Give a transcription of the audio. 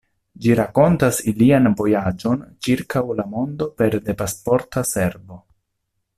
Ĝi rakontas ilian vojaĝon ĉirkaŭ la mondo pere de Pasporta Servo.